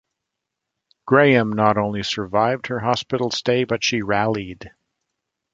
Graham not only survived her hospital stay, but she rallied.